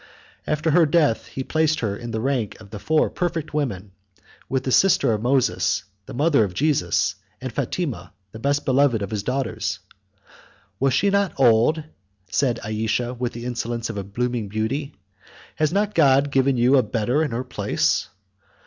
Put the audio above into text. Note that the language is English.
After her death, he placed her in the rank of the four perfect women, with the sister of Moses, the mother of Jesus, and Fatima, the best beloved of his daughters. "Was she not old?" said Ayesha, with the insolence of a blooming beauty; "has not God given you a better in her place?"